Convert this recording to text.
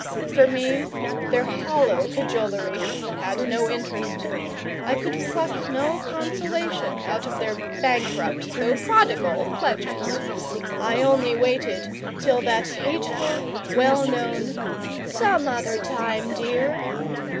For me their hollow cajolery had no interest, I could pluck no consolation out of their bankrupt though prodigal pledges I only waited till that hateful, well known "Some other time, dear!"